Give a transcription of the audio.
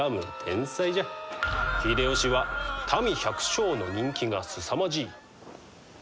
秀吉は民百姓の人気がすさまじい。